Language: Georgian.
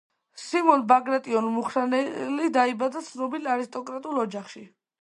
სიმონ ბაგრატიონ-მუხრანელი დაიბადა ცნობილ არისტოკრატულ ოჯახში.